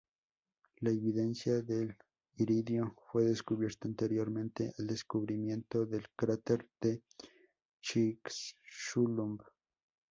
La evidencia del iridio fue descubierta anteriormente al descubrimiento del cráter de Chicxulub.